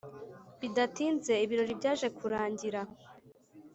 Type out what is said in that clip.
bidatinze ibirori byaje kurangira